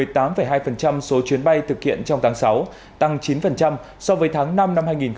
tổng số chuyến bay thực hiện trong tháng sáu tăng chín so với tháng năm năm hai nghìn hai mươi hai